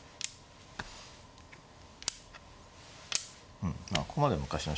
うんここまで昔の将棋